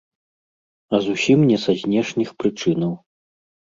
А зусім не са знешніх прычынаў.